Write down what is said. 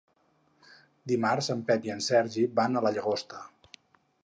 Dimarts en Pep i en Sergi van a la Llagosta.